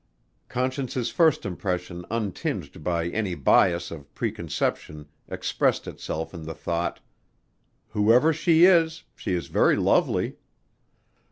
Conscience's first impression untinged by any bias of preconception expressed itself in the thought, "Whoever she is, she is very lovely."